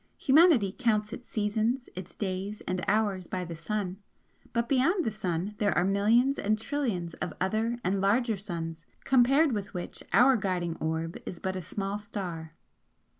Humanity counts its seasons, its days and hours by the Sun but beyond the Sun there are millions and trillions of other and larger suns, compared with which our guiding orb is but a small star.